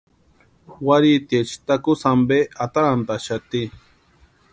Warhitiecha takusï ampe atarantaxati.